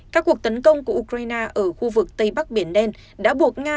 các cuộc tấn công của ukraine ở khu vực tây bắc biển đen đã buộc nga